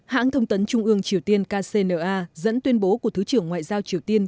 hãng thông tấn trung ương triều tiên kcna dẫn tuyên bố của thứ trưởng ngoại giao triều tiên